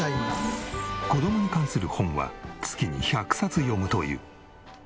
子供に関する本は月に１００冊読むという。